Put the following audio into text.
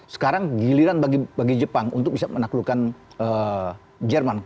sekarang giliran bagi jepang untuk bisa menaklukkan jerman